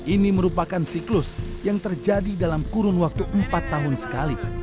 ini merupakan siklus yang terjadi dalam kurun waktu empat tahun sekali